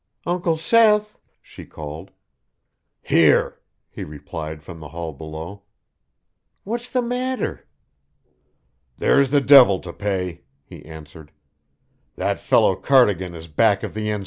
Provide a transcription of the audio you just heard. "Uncle Seth!" she called. "Here!" he replied from the hall below. "What's the matter?" "There's the devil to pay," he answered. "That fellow Cardigan is back of the N.